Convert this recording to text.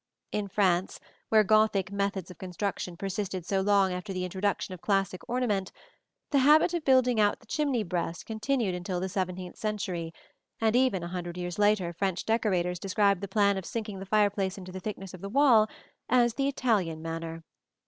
In France, where Gothic methods of construction persisted so long after the introduction of classic ornament, the habit of building out the chimney breast continued until the seventeenth century, and even a hundred years later French decorators described the plan of sinking the fireplace into the thickness of the wall as the "Italian manner."